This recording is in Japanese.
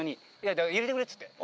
だから「入れてくれ」つって。